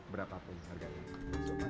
berapa pun harganya